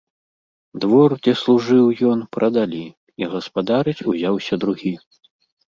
Двор, дзе служыў ён, прадалі, і гаспадарыць узяўся другі.